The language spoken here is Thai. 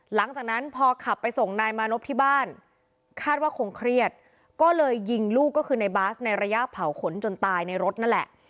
หลังจากนั้นพอขับไปส่งนายมานพที่บ้านคาดว่าคงเครียดก็เลยยิงลูกก็คือในบาสในระยะเผาขนจนตายในรถนั่นแหละ